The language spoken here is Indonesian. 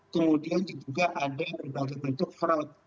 kemudian diduga ada berbagai bentuk fraud